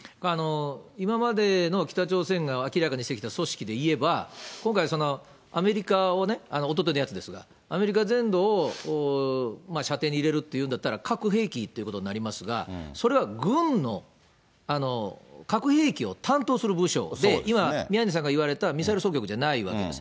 今までの北朝鮮が明らかにしてきた組織で言えば、今回、アメリカをね、おとといのやつですが、アメリカ全土を射程に入れると言うんだったら核兵器ってことになりますが、それは軍の核兵器を担当する部署で、今、宮根さんが言われたミサイル総局じゃないわけです。